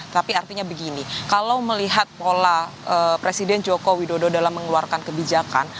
tapi artinya begini kalau melihat pola presiden joko widodo dalam mengeluarkan kebijakan